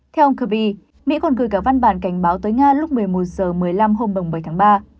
theo ông kirby mỹ còn gửi cả văn bản cảnh báo tới nga lúc một mươi một h một mươi năm hôm bảy tháng ba